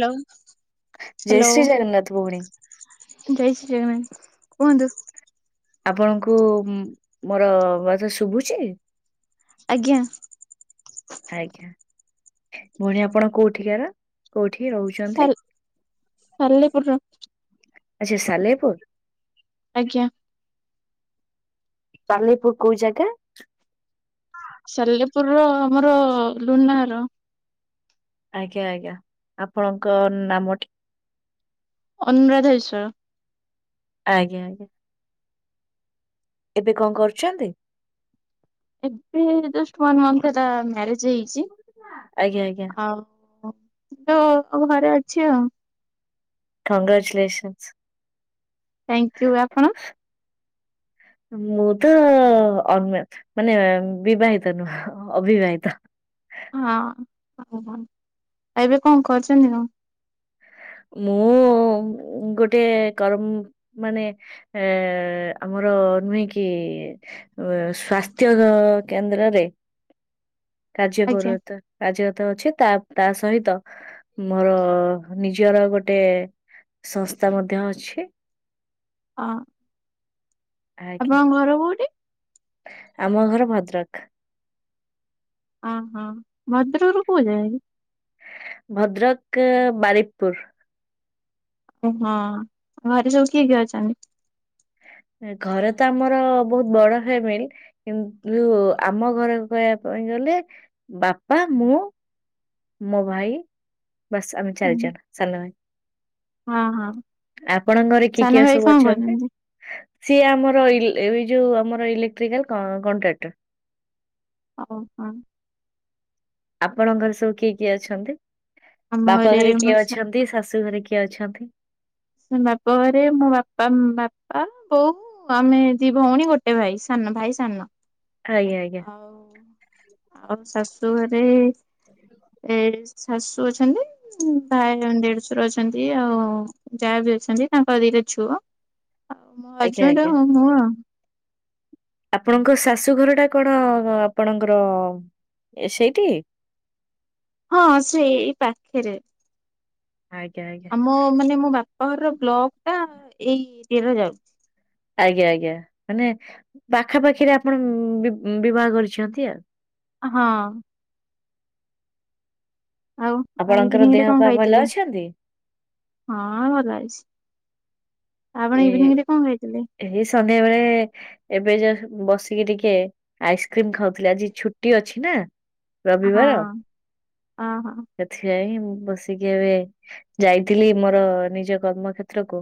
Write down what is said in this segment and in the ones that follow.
ଲୋ। ଜୟ ଶ୍ରୀ ଜଗନ୍ନାଥ ଭଉଣୀ। ଜୟ ଶ୍ରୀ ଜଗନ୍ନାଥ କୁହନ୍ତୁ। ଆପଣଙ୍କୁ ଉଁ ମୋର ଭଏସ ଶୁଭୁଚି? ଆଜ୍ଞା। ଆଜ୍ଞା ଭଉଣୀ ଆପଣ କୋଉଠିକାର କୋଉଠି ରହୁଛନ୍ତି? ସାଲେପୁର ର ଆଚ୍ଛା ସାଲେପୁର? ଆଜ୍ଞା। ସାଲିପୁର କୋଉ ଜାଗା? ପୁର ର ଆମର ଆଜ୍ଞା ଆଜ୍ଞା ଆପଣଙ୍କ ନାମଟି? ଅନୁରାଧା ବିଶ୍ଵାଳ ଆଜ୍ଞା ଆଜ୍ଞା। ଏବେ କଣ କରୁଛନ୍ତି? ଏବେ [unintelligible] ମାରେଜ ହେଇଛି ଆଜ୍ଞା ଆଜ୍ଞା ଆଉ। ଘରେ ଅଛି ଆଉ। କଂଗ୍ରାଚୁଲେସନ୍। ଥ୍ୟାଙ୍କୟୁ ଆପଣ [inaudible] ମୁଁ ତ ଅନ୍ ବିବାହିତ ନୁହଁ ଅବିବାହିତ। ହଁ ହ ହ ଏବେ କଣ କରୁଛନ୍ତି କଣ? ମୁଁ। ଗୋଟେ କରମ ମାନେ ଏ ଆମର ନୁହେଁ କି ସ୍ଵାସ୍ଥ୍ୟ କେନ୍ଦ୍ରରେ [inaudible] କାର୍ଯ୍ୟ ଆଜ୍ଞା କର କାର୍ଯ୍ୟତ ଅଛି ତା ତା ସହିତ ମୋର ନିଜ ନିୟର ଗୋଟେ ସଂସ୍ଥା ମଧ୍ୟ ଅଛି। ହଁ ଆଜ୍ଞା ଆପଣଙ୍କ ଘର କୋଉଠି। ଆମ ଘର ଭଦ୍ରକ। ହ ହଁ ଭଦ୍ରରୁ ଯାଏ। ଭଦ୍ରକ ବାରିକପୁର। ଓହଁ ଘରେ ସବୁ କିଏ କିଏ ଅଛନ୍ତି? ଘରେ ତ ଆମର ବୋହୁତ ବଡ ଫ୍ୟାମିଲ, କିନ୍ତୁ ଆମ ଘରେ କହ ପାଇଁ ଗଲେ ବାପା ମୁଁ ମୋ ଭାଇ ବାସ ଆମେ ଚାରିଜଣ ସାନ ହଁ ହଁ ଭାଇ ଆପଣଙ୍କରେ କି ସାନ କିଏ ଭାଇ ସବୁ କଣ ଅଛନ୍ତି? କରୁଛନ୍ତି? ସିଏ ଆମର ଇ ଏଇ ଯୋଉ ଆମର ଇଲେକ୍ଟ୍ରିକାଲ କଣ୍ଟ୍ରାକ୍ଟର। ଓହଃ। ଆପଣଙ୍କ ଘରେ ସବୁ କିଏ କିଏ ଅଛନ୍ତି, ଆମ ବାପା ଘରେ ମୋ କିଏ ଶା ଅଛନ୍ତି ଶାଶୁ ଘରେ କିଏ? ଅଛନ୍ତି। ସେ ବାପରେ ମୋ ବାପା ବାପା ବୋଉ ଆମେ ଦି ଭଉଣୀ ଗୋଟେ ଭାଇ ସା ଭାଇ ସାନ ଆଜ୍ଞା ଆଜ୍ଞା। ଆଉ ଆଉ ଶାଶୁ ଘରେ ଏ ଶାଶୁ ଅଛନ୍ତି, ଭାଇ ଦେଢଶର ଅଛନ୍ତି ଆଉ ଯାହା ବି ଅଛନ୍ତି ତାଙ୍କ ଦିଟରେ ଛୁଅ ଆଉ ମୋ ଆଜ୍ଞା ଆଜ୍ଞା ହଜବେଣ୍ଡଉ ଆଉ ମୁଁ। ଆପଣଙ୍କ ଶାଶୁ ଘର ଟା କଣ ଆପଣଙ୍କର ସେଇଠି? ହ [inaudible] ହଁ ସେଇ ପାଖରେ ଆଜ୍ଞା ଆଜ୍ଞା ଆମ ମାନେ ମୋ ବାପ ବ୍ଲକ ଟା ଏଇ ଦ ଯାଉଛି। ଆଜ୍ଞା ଆଜ୍ଞା ମାନେ ପାଖାପାଖିରେ ଆପଣ ବିବାହ କରିଛନ୍ତି। ହଁ। ଆଉ ଆପଣଙ୍କର ଇଭିନିଂରେ ଦେହ କଣ ପା ଭଲ କହିଥିଲେ ଅଛନ୍ତି? ହଁ ଭଲ ଅଛି। ଆପଣ ଇଭିନିଂ ରେ କଣ ଖାଇଥିଲେ? ବେଳେ ବେଳେ ଏବେ ଯ ବସିକି ଟିକେ ଆଇସ୍କ୍ରିମ ଖାଉଥିଲେ ଆଜି ଛୁଟି ଅଛି ନା। ହଁ ରବିବାର। ଅହ ସେଥିପାଇଁ। ବସିକି ଏବେ ଯାଇଥିଲି ମୋର ନିଜ କର୍ମ କ୍ଷେତ୍ରକୁ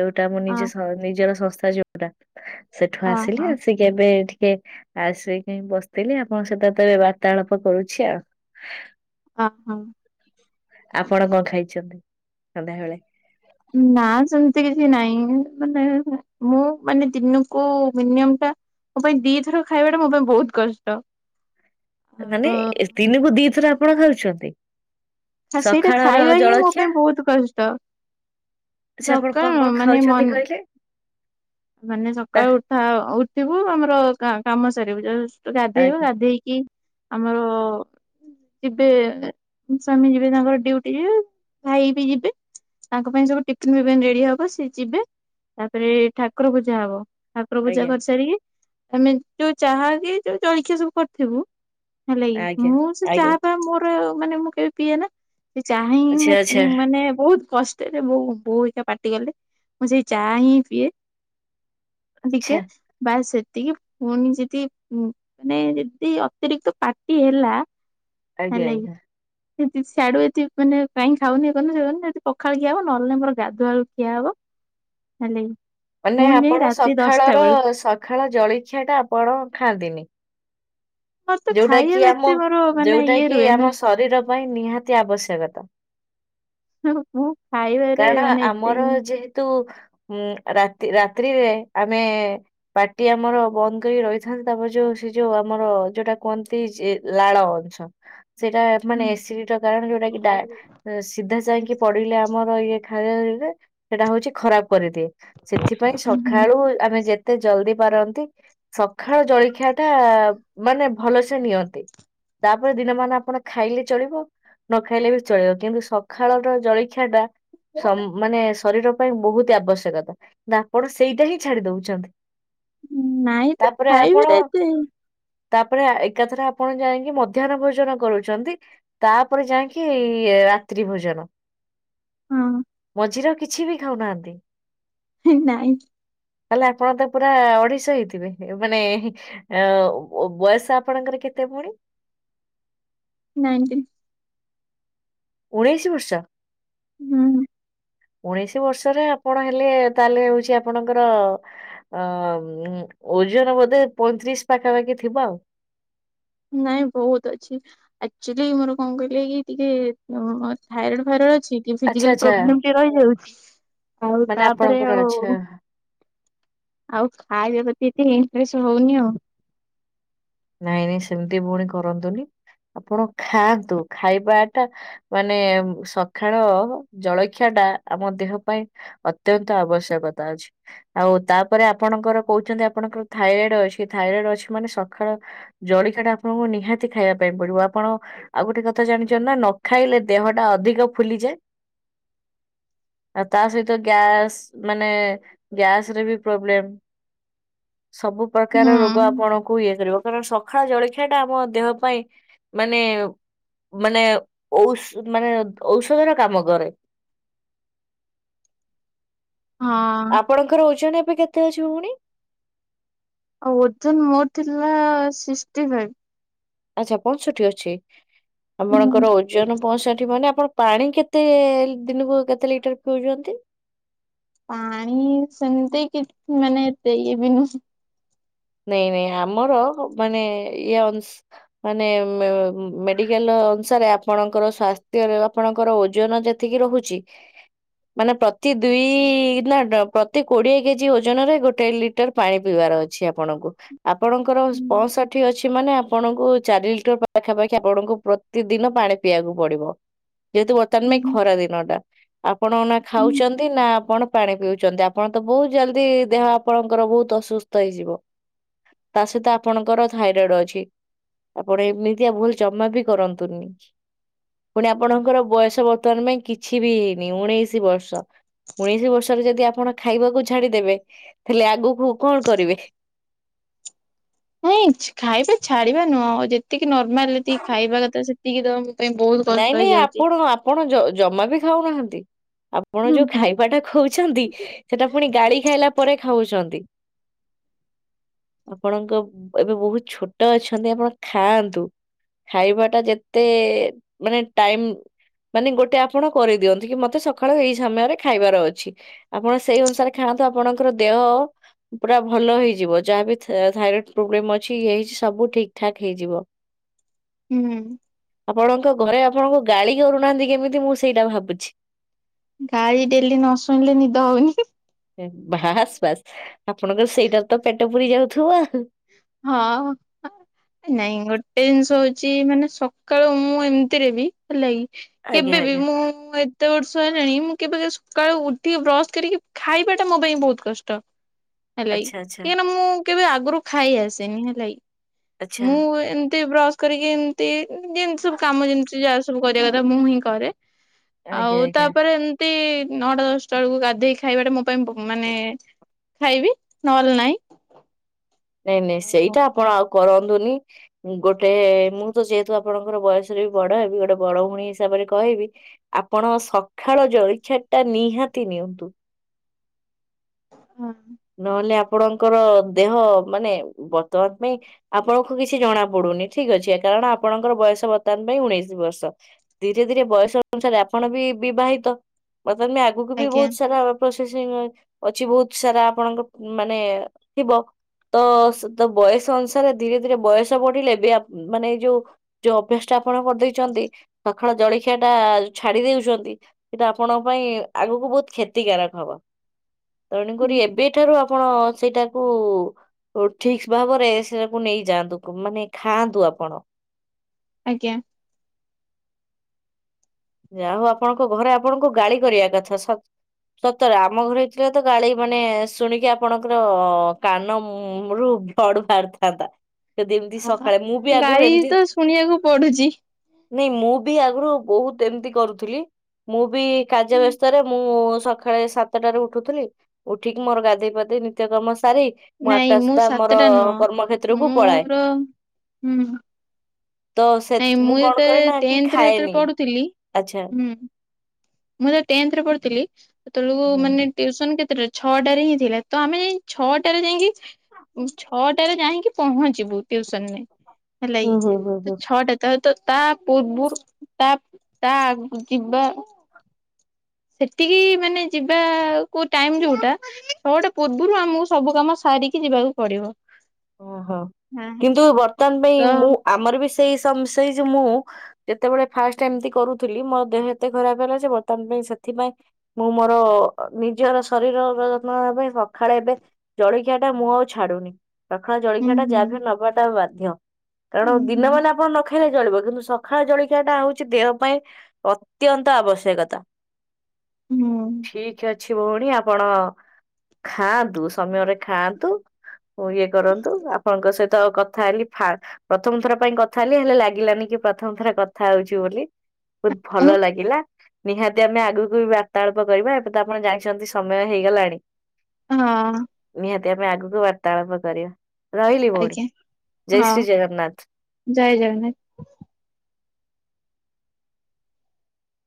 ଯୋଉଟା ଆମ ଅ ନିଜ ନିଜର ସଂସ୍ଥା ଯୋଉଟା ସେଠୁ ଅହ ଆସିଲି ଆସିକି କେବେ ଆସିକି ବସିଥିଲି ଆପଣଙ୍କ ସହିତ ତ ଏବେ ବାର୍ତ୍ତାଳାପ କରୁଛି ଆଉ ହ ହ। ଆପଣ କଣ ଖାଇଛନ୍ତି? ସନ୍ଧ୍ୟାବେଳେ ନା ସେମିତି କିଛି ନାଇଁ ମାନେ ମୁଁ ମାନେ ଦିନକୁ ମୋ ପାଇଁ ଦିଥର ଖାଇବା ଟା ମୋ ପାଇଁ ବହୁତ କଷ୍ଟ ମାନେ ଆଉ ଦିନକୁ ଦିଥର ଆପଣ ଖାଉଛନ୍ତି। ଆ ସେଇଟା ସକାଳର ଖାଇବା ହିଁ ମୋ ଜଳଖିଆ ପାଇଁ ବହୁତ କଷ୍ଟ। ଆଚ୍ଛା ଆପଣ କଣ ସକାଳୁ କଣ ମାନେ ଖାଉଛନ୍ତି ମନ କହିଲେ? ମାନେ ସକାଳୁ ତା- ଉଠା ଉଠିବୁ ଆମର କାମ ସାରିବୁ ଗାଧେଇବ ଆଜ୍ଞା ଗାଧେଇକି ଆମର ଯିବେ ସୂାମୀ ଯିବେ ତାଙ୍କର ଡ଼ିଉଟି ଯିବେ ଭାଇ ବି ଯିବେ। ତାଙ୍କ ପାଇଁ ସବୁ ଟିଫିନ ଫଫିନ ରେଡି ହବ ସି ଯିବେ ତାପରେ ଠା ଠାକୁର ପୂଜା ହବ ଠାକୁର ପୂଜା ଆଜ୍ଞା। କରିସାରିକି ଆମେ ଯୋଉଁ ଚାହା କି ଯୋଉଁ ଚଳଖିଆ ସବୁ କରିଥିବୁ ହେଲା ଆଜ୍ଞା ମୁଁ ସେ ଆଜ୍ଞା ଚାହା ପା ମୋର ମାନେ ମୁଁ କେବେ ପିଏ ନା ସେ ଚାହିଁ ଆଚ୍ଛା ମୁଁ ଆଚ୍ଛା ମାନେ ବହୁତ କଷ୍ଟରେ ବୋ ବୋଉ ଏଇକା ପାଟି କଲେ ମୁଁ ସେଇ ଯା ହିଁ ପିଏ ଟିକେ ଆଚ୍ଛା ବା ସେଠ ଏତିକି ପୁଣି ଯଦି ମାନେ ଯଦି ଅତିରିକ୍ତ ପାଟି ହେଲା ଆଜ୍ଞା ଆଜ୍ଞା। ସେ ସିଆଡୁ ଏ ମାନେ କାହିଁକି ଖାଉନିି ପଖାଳ ଖିଆ ହବ ନହେଲେ ନାଇଁ ମୋର ଗାଧୁଆଳୁ ଖିଆ ହବ ହଲେ ମାନେ ଆପଣ ସକାଳର ସଖାଳ ଜଳଖିଆ ଟା ଆପଣ ଖାଆନ୍ତିନି? ମୋର ତ ଯୋଉଟା କି ଖାଇବାକୁ ଆମ ଏତେ ମୋର ମାନେ ଯୋଉଟା ଇଏ କିି ରୁହେ ନା ଆମ ଶରୀର ପାଇଁ ନିହାତି ଆବଶ୍ୟକତା। ମୁଁ ଖାଇବାରେ କାରଣ ମାନେ ଏତେ ଆମର ଇଏ ଯେହେତୁ ଉଁ ରାତି ରାତ୍ରିରେ ଆମେ ପାଟି ଆମର ବନ୍ଦ କରି ରହିଥାନ୍ତି। ତାପରେ ଯୋଉ ସେ ଯୋଉଁ ଆମର ଯୋଉଟା କୁହନ୍ତି ଲାଳ ଅଂଶ ସେଇଟା ମାନେ ହୁଁ ଏସିଡିର କାରଣ ଯୋଉଟା କି ସିଧା ଯାଇକି ପଡିଲେ ଆମର ଇଏ ଖାରେ ସେଟା ହଉଛି। ଖରାପ କରିଦିଏ ସେଥିପାଇଁ ଉହୁଁ। ସକାଳୁ ଆମେ ଯେ ଏତେ ଜଲଦି ପାରନ୍ତି ସକାଳ ଜଳଖିଆ ଟା ମାନେ ଭଲସେ ନିଅନ୍ତି। ତାପରେ ଦିନ ମାନ ଆପଣ ଖାଇଲେ ଚଳିବ। ନ ଖାଇଲେ ବି ଚଳିବ କିନ୍ତୁ ସକାଳର ଜଳଖିଆ ଟା ମାନେ ଶରୀର ପାଇଁ ବହୁତ ଆବଶ୍ୟକତା କି ଆପଣ ସେଇଟା ହିଁ ଛାଡି ଦଉଛନ୍ତି। ନାଇ ତ ତାପରେ ଖାଇ ଆପଣ ବି ରତ ତାପରେ ଏକାଥରେ ଆପଣ ଯାଇକି ମଧ୍ୟାହ୍ନ ଭୋଜନ କରୁଛନ୍ତି। ତାପରେ ଯାଇକି ରାତି ରାତ୍ରି ଭୋଜନ ହଁ ମଝିରେ ଆଉ କିଛି ବି ଖାଉନାହାନ୍ତି? ନାଇଁ। ହେଲେ ଆପଣ ତ ପୁରା ଅଡିଶ ହେଇଥିବେ ମାନେ ଅ ବୟସ ଆପଣଙ୍କର କେତେ ପୁଣି? ନାଇଣ୍ଟିନ୍ ଉଣେଇଶି ବର୍ଷ? ହୁଁ। ଉଣେଇଶି ବର୍ଷରେ ଆପଣ ହେଲେ ତାହେଲେ ହଉଛି ଆପଣଙ୍କର ଅ ଓଜନ ବୋଧେ ପଇଁତିରିଶ ପାଖାପାଖି ଥିବ ଆଉ ନାଇଁ ବହୁତ ଅଛି ଆକ୍ଚୁଆଲି ମୋର କଣ କହିଲେ କି ଟିକେ ଥାଇରଏଡ ଫାଇରଡ଼ ଅଛି କି ଆଚ୍ଛା ଫିଜିକାଲ ଆଚ୍ଛା ପ୍ରବ୍ଲେ ରହିଯାଉଛି ଆଉ ମାନେ ତାପରେ ଆପଣଙ୍କର ଆଉ ଆଚ୍ଛା। ଆଉ ଖାଇବେବତି ଏସ ହଉନି ଆଉ ନାଇଁ ନାଇଁ ସେମିତି ପୁଣି କରନ୍ତୁନି। ଆପଣ ଖାଆନ୍ତୁ ଖାଇବା ଟା ମାନେ ସକାଳ ଜଳଖିଆା ଆମ ଦେହ ପାଇଁ ଅତ୍ୟନ୍ତ ଆବଶ୍ୟକତା ଅଛି, ଆଉ ତାପରେ ଆପଣଙ୍କର କହୁଛନ୍ତି ଆପଣଙ୍କର ଥାଇରଏଡ ଅଛି ଥାଇରଏଡ୍ ଅଛି ମାନେ ସ କାଳ ଜଳିକା ଟା ଆପଣଙ୍କୁ ନିହାତି ଖାଇବା ପାଇଁ ପଡିବ ଆପଣ ଆଉ ଗୋଟେ କଥା ଜାଣିଛନ୍ତି ନା ନ ଖାଇଲେ ଲେ ଦେହଟା ଅଧିକ ଫୁଲିଯାଏ। [inaudible] ଆଉ ତା ସହିତ ଗ୍ୟାସ ମାନେ ଗ୍ୟାସ ରେ ବି ପ୍ରୋବ୍ଲେମ। ସବୁ ହୁଁ। ପ୍ରକାର ରୋଗ ଆପଣକୁ କରିବ କାରଣ ସକାଳ ଜଳଖିଆ ଟା ଆମ ଦେହ ପାଇଁ ମାନେ ମାନେ ଔ ମାନେ ଔଷଧର କାମ କରେ। ହଁ ଆଉ ଆପଣଙ୍କର ଓଜନ ଏବେ କେତେ ଅଛି ଭଉଣୀ? ଆଉ ଓଜନ ମୋର ଥିଲା ସିକସଟି ଫାଇଭ। ଆଚ୍ଛା ପଂଶଠି ଅଛି, ଆପଣଙ୍କର ଫାଇଭ। ଓଜନ ପଞ୍ଚଷଠି ମାନେ ଆପଣ ପାଣି କେତେ ଦିନକୁ କେତେ ଲିଟର ପିଉଛନ୍ତି? ପାଣି ସେମିତି କି ମାନେ ଏତେ ଇଏ ବି ନୁହଁ। ନାଇଁ ନାଇଁ ଆମର ମାନେ ଇଏ ଅଂଶ ମାନେ ମେ-ମେଡିକାଲ ଅନୁସାରେ ଆପଣଙ୍କର ସ୍ଵାସ୍ଥ୍ୟରେ ଆପଣଙ୍କର ଓଜନ ଯେତିକି ରହୁଛି ମାନେ ପ୍ରତି ଦୁଇ ନା ପ୍ରତି କୋଡିଏ କେଜି ଓଜନ ରେ ଗୋଟେ ଲିଟର ପାଣି ପିଇବାର ଅଛି ଆପ ଆପଣଙ୍କୁ ଆପଣଙ୍କର ପଞ୍ଚଷାଠି ଅଛି ମାନେ ଆପଣଙ୍କୁ ଚାରି ଲିଟର ପାଖାପାଖି ଆପଣଙ୍କୁ ପ୍ର ପ୍ରତିଦିନ ପାଣି ପିଇବାକୁ ପଡିବ। ଯେହେତୁ ବର୍ତ୍ତମାନ ପାଇଁ ଖରା ଦିନ ଟା, ଆପଣ ନା ଖାଉଛନ୍ତି ନା ଆପଣ ପାଣି ପିଉଛନ୍ତି, ଆପଣ ତ ବହୁତ ଜଲଦି ଦେହ ଆପଣଙ୍କର ବହୁତ ଅସୁସ୍ଥ ହେଇଯିବ। ତା ସହିତ ଆପଣଙ୍କର ଥାଇରଏଡ ଅଛି। ଆପଣ ଏମିତିଆ ଭୁଲ ଜମା ବି କରନ୍ତୁନି। ପୁଣି ଆପଣଙ୍କର ବୟସ ବର୍ତ୍ତମାନ ପାଇଁ କିଛି ବି ହେଇନି ଉଣେଇଶି ବର୍ଷ। ଉଣେଇଶ ବର୍ଷରେ ଯଦି ଆପଣ ଖାଇବାକୁ ଛାଡିଦେବେ, ତାହଲେ ଆଗକୁ କଣ କରିବେ? ନାଇଁ ଖାଇବା ଛାଡିବା ନୁହଁ, ଆଉ ଯେତିକି ନର୍ମାଲ ଯେତିକି ଖାଇବା କଥା ସେତିକି ଦ ନାଇଁ ନାଇଁ ଆପଣ ଆପଣ ଜ-ଜମା ବି ଖାଉନାହାନ୍ତି। ଆପଣ ଯୋଉ ଖାଇବାଟା ଖାଉଛନ୍ତି, ସେଟା ପୁଣି ଗାଳି ଖାଇଲା ପରେ ଖାଉଛନ୍ତି। ଆପଣଙ୍କ ଏବେ ବହୁତ ଛୋଟ ଅଛନ୍ତି ଆପଣ ଖାଆନ୍ତୁ। ଖାଇବା ଟା ଯେତେ ମାନେ ଟାଇମ ମାନେ ଗୋଟେ ଆପଣ କରିଦିଅନ୍ତି କି ମତେ ସକାଳୁ ଏଇ ସମୟରେ ଖାଇବାର ଅଛି ଆପଣ ସେଇ ଅନୁସାରେ ଖା ଆପଣଙ୍କର ଦେହ ପୁରା ଭଲ ହେଇଯିବ, ଯାହାବି ଥା-ଥାଇରଡ ପ୍ରୋବ୍ଲେମ ଅଛି ଇଏ ହେଇଛି ସବ ସବୁ ଠିକ୍ ଠାକ ହେଇଯିବ। ହୁଁ। ଆପଣଙ୍କ ଘରେ ଆପଣଙ୍କୁ ଗାଳି କରୁନାହାନ୍ତି କେମିତି ମୁଁ ସେଇଟା ଭାବୁଛି। ଗାଳି ଡେଲି ନ ଶୁଣିଲେ ନିଦ ହଉନି। ବାସ୍ ବାସ୍ ଆପଣଙ୍କର ସେଇଟାରେ ତ ପେଟ ପୁରି ଯାଉ ହଁ ନାଇଁ ଗୋଟେ ଜିନିଷ ହ ହଉଛି ମାନେ ସକାଳୁ ମୁଁ ଏମିତିରେ ବି ହେଲାକି ଆଜ୍ଞା କେବେବି ଆଜ୍ଞା ମୁଁ ଏତେ ବର୍ଷ ହେଲାଣି ମୁଁ କେବେ ସକାଳୁ ଉଠିକି ବ୍ରଶ କରିକି ଖାଇବାଟା ମୋ ପାଇଁ ବହୁତ କଷ୍ଟ। ହେଲାକି, ଆଚ୍ଛା ଆଚ୍ଛା କାହିଁକ ମୁଁ କେବେ ଆଗରୁ ଖାଇ ଆସେନି ହେଲାକି। ଆଚ୍ଛା। ମୁଁ ଏମିତି ବ୍ରସ କରିକି ଏମିତି ଯେମିତି ସବୁ କାମ ଯେମିତି ଯଷ୍ଟ ସବୁ କରିବା କଥା ମୁଁ ହିଁ କରେ ଆଜ୍ଞା ଆଉ ଆଜ୍ଞା ତାପରେ ମତି ନଅଟା ଦଶଟା ବେଳକୁ ଗାଧେଇ ଖାଇବାଟା ମୋ ପାଇଁ ମାନେ ଖାଇବି ନହେଲେ ନାହିଁ। ନାଇଁ ନାଇଁ ଆଉ ସେଇଟା ଆପଣ ଆଉ କର ଗୋଟେ ମୁଁ ତ ଯେହେତୁ ଆପଣଙ୍କର ବୟସରେ ବି ବଡ ଏ ଗୋଟେ ବଡ ଭଉଣୀ ହିସାବରେ କହ କହିବି ଆପଣ ସକାଳ ଜଳିଖାଟ ଟା ନିହାତି ନିଅନ୍ତୁ। ହ ନହେଲେ ଆପଣଙ୍କର ଦେହ ମାନେ ବର୍ତ୍ତମାନ ପାଇଁ ଆପଣଙ୍କୁ କିଛି ଜଣା ପଡୁନି ଠିକ ଅଛି କାରଣ ଆପଣଙ୍କର ବୟସ ବର୍ତ୍ତମାନ ପାଇଁ ଉଣେଇଶି ବର୍ଷ ଧୀରେ ଧୀରେ ବୟସ ଅନୁସାରେ ଆପଣ ବି ବିବାହିତ ବର୍ତ୍ତମାନେ ଆଗକୁ ବି ଆଜ୍ଞା ବହୁତ ସାରା ପ୍ରୋସେସିଂ ଅଛି ବହୁତ ସାରା ଆପଣଙ୍କ ମାନେ ଥିବ। ତ ତ ବୟସ ଅନୁସାରେ ଧୀରେ ଧୀରେ ବୟସ ବଢିଲେ ବି ଆପ ମାନେ ଏଇ ଯୋଉ ଯୋଉ ଅଭ୍ୟାସ ଟା ଆପଣ କରିଦେଇଛନ୍ତି ସଖଳ ଜଳଖିଆ ଟା ଛାଡି ଦୋଉଛନ୍ତି ସେଇଟା ଆପଣଙ୍କ ପାଇଁ ଆଗକୁ ବହୁତ କ୍ଷତିକାରାରକ ହବ ତେଣୁକ ଏବେଠାରୁ ଆପଣ ସେଇଟାକୁ ଠିକ ଭାବରେ ସେଟାକୁ ନେଇଯାଆନ୍ତୁ ମାନେ ଖାଆନ୍ତୁ ଆପଣ ଆଜ୍ଞା। ଯା ହଉ ଆପଣଙ୍କ ଘରେ ଆପଣଙ୍କୁ ଗାଳି କରିବା କଥା ସ ସତରେ ଆମ ଘର ହେଇଥିଲା ତ ଗାଳି ମାନେ ଶୁଣିକି ଆପଣଙ୍କର କାନରୁୁ ବ୍ଲଡ଼ ବାହାରିଥାନ୍ତା। ଯଦି ଏମିତି ସକାଳେ ମୁଁ ବି ଆଗରୁ ଗାଳି ଏମିତି ତ ଶୁଣିବାକୁ ପଡୁଛି ନାଇଁ ମୁଁ ବି ଆଗରୁ ବହୁତ ଏମିତି କରୁଥିଲି ମୁଁ ବି କାର୍ଯ୍ୟ ବ୍ୟସ୍ଥାରେ ମୁଁ ସକାଳେ ସାତଟାରେ ଉଠୁଥିଲି ଉଠିକି ମୋର ଗାଧୋଇ ପଧେଇ ନିତ୍ୟ କର୍ମ ସା ସାରି ମୁଁ ନାଇଁ ଆଠଟା ସୁଧା ମୋର ସାତଟା ନୁହଁ କର୍ମକ୍ଷେତ୍ରକୁ ପଳାଏ। ମୋର ହୁଁ। ତ ସେ ନାଇଁ ମୁଁ କଣ ଏତେ କରେ ନା କି ଟେନଥରେ ଯେତେବେଳେ ଖାଏନି ପଢୁଥିଲି। ଥିଲି ଆଚ୍ଛା ହୁଁ ମୁଁ ଯେତୋବେଳେ ଟେନ୍ଥରେ ପଢୁଥିଲି ସେତୋବେଳକୁ ହୁଁ। ମାନେ ତିୟୁସନ୍ ଯା ଛଅଟାରେ ହିଁ ଥିଲା ତ ଆମେ ଯାଇ ଛଅଟାରେ ଯାଇକି ଛଅଟାରେ ଯାଇକି ପହଞ୍ଚ ଯିବୁ ଟିଉସନ ମ ଭଲା ହୁଁ ହୁଁ ହୁଁ ହୁଁ। ଛଅଟା ହେ ତ ତା ପୂର୍ବ ତା ତା ଆଗ ଯିବା ସେତିକି ମାନେ ଯିବାକୁ ଟାଇମ ଯୋଉଟା ସଉଟା ପୂର୍ବରୁ ଆମକୁ ସବୁ କାମ ସାରିକି ଯିବାକୁ ପଡିବ ଓହୋ କିନ୍ତୁ ବର୍ତ୍ତମାନ ପାଇଁ ତ ମୁଁ ଆମର ବି ସେଇ ମୁଁ ଯେତେବେଳେ ଫାଷ୍ଟ ଏମତି କରୁଥିଲି ମୋ ଦେହ ଏତେ ଖରାପ ହେଲା ସେ ବର୍ତ୍ତମାନ ପାଇଁ ସେ ସେଥିପାଇଁ ମୁଁ ମୋର ନିଜର ଶରୀର ଯତ୍ନ ପାଇଁ ସକାଳେ ଏବେ ଜଳଖିଆ ମୁଁ ଆଉ ଛଡୁନି। ରଖଣା ହୁଁ ଜଳଖିଆ ଟା ହୁଁ ଯାବେ ନବାଟା ବାଧ୍ୟ କାରଣ ହୁଁ ଦିନ ହୁଁ ମେ ଆପଣ ନଖ ସଖ ଜଳିବ କିନ୍ତୁ ସକାଳେ ଜଳଖିଆ ଟା ହୋଉଚି ଦେହ ପାଇଁ ଅତ୍ୟନ୍ତ ଆବଶ୍ୟକତା। ହୁଁ ଠିକ ଅଛି। କିଛି ଭଉଣୀ ଆପଣ ଖାଆନ୍ତୁ ସମୟରେ ଖାଆନ୍ତୁ ଇଏ କରନ୍ତୁ ଆପଣଙ୍କ ସହିତ ତ କଥା ହେଲି ପ୍ରଥମ ଥର ପାଇଁ କଥା ହେଲି ହେଲେ ଲାଗିଲାନି କି ପ୍ରଥମ ଥର କଥା ହୋଉଚି ବୋଲି ବହୁତ ଆଉ ଭଲ ଲାଗିଲା। ନିହାତି ଆମେ ଆଗକୁ ବି ବାର୍ତ୍ତାଳାପ କରିବା ଏବେ ତ ଆପଣ ଜାଇଛନ୍ତି ସମୟ ହେଇଗଲାଣି। ହଁ। ନିହାତିମ ଆଗକୁ ବାର୍ତ୍ତାଳାପ କରିବା। ରହିଲି ଭୋଉଣୀ ଆଜ୍ଞା ଜୟେ ହଁ ଶ୍ରୀଜଗନ୍ନାଥ। ଜୟ ଜଗନ୍ନାଥ।